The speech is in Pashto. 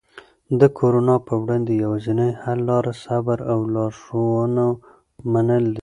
د کرونا په وړاندې یوازینی حل لاره صبر او د لارښوونو منل دي.